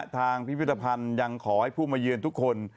ทางภิพธพันธ์ยังขอให้ผู้มาเยือนทุกคน